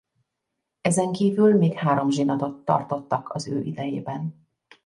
Ezenkívül még három zsinatot tartottak az ő idejében.